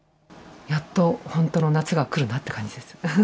やっと本当の夏が来るなって感じです。